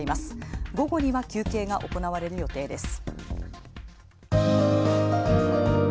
午後には求刑が行われる予定です。